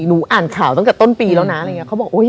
หนูอ่านข่าวตั้งแต่ต้นปีแล้วนะ